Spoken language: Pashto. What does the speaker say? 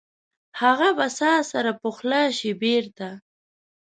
هغه به ساه سره پخلا شي بیرته؟